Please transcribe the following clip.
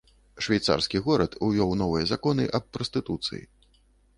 Швейцарскі горад увёў новыя законы аб прастытуцыі.